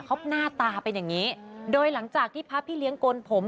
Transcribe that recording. เขาหน้าตาเป็นอย่างงี้โดยหลังจากที่พระพี่เลี้ยงโกนผม